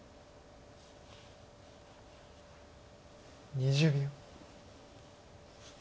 ２０秒。